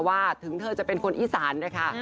ถึงเธอจะเป็นคนอีสานนะคะ